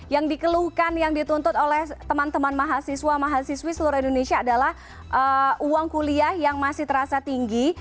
yang dikeluhkan yang dituntut oleh teman teman mahasiswa mahasiswi seluruh indonesia adalah uang kuliah yang masih terasa tinggi